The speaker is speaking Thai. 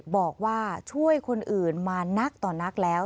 บอกว่าช่วยคนอื่นมานักต่อนักแล้ว